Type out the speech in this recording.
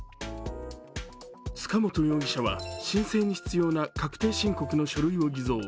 塚本容疑者は申請に必要な確定申告の書類を偽造。